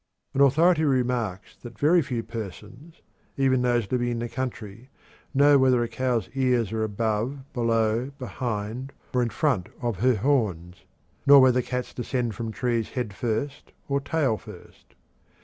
An authority remarks that very few persons, even those living in the country, know whether a cow's ears are above, below, behind, or in front of her horns; nor whether cats descend trees head first or tail first.